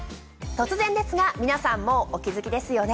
突然ですが皆さんもうお気付きですよね。